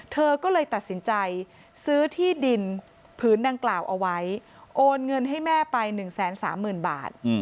เธอก็เลยตัดสินใจซื้อที่ดินผืนดังกล่าวเอาไว้โอนเงินให้แม่ไป๑๓๐๐๐บาท